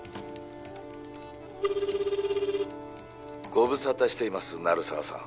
ご無沙汰しています鳴沢さん